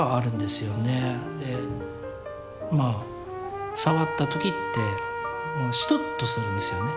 でまあ触った時ってシトッとするんですよね